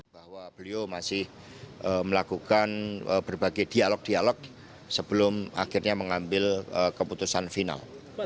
bahwa beliau masih melakukan berbagai dialog dialog sebelum akhirnya mengambil keputusan final